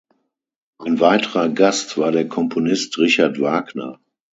Ein weiterer Gast war der Komponist Richard Wagner.